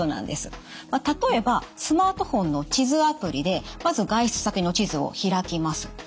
例えばスマートフォンの地図アプリでまず外出先の地図を開きます。